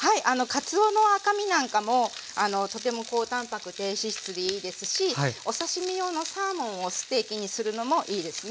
かつおの赤身なんかもとても高たんぱく低脂質でいいですしお刺身用のサーモンをステーキにするのもいいですね。